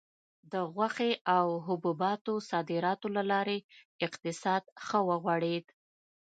د غوښې او حبوباتو صادراتو له لارې اقتصاد ښه وغوړېد.